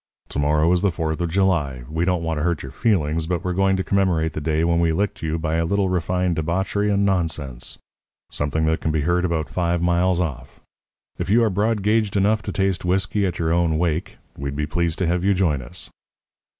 To morrow is the Fourth of July. We don't want to hurt your feelings, but we're going to commemorate the day when we licked you by a little refined debauchery and nonsense something that can be heard above five miles off. If you are broad gauged enough to taste whisky at your own wake, we'd be pleased to have you join us.'